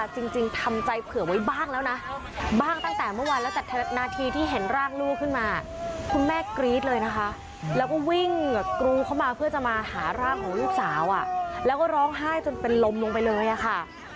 จะมาหาร่างของลูกสาวอ่ะแล้วก็ร้องไห้จนเป็นลมลงไปเลยอ่ะค่ะ